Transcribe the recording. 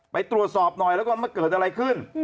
ไปตรวจสอบหน่อยแล้วกันว่าเกิดอะไรขึ้น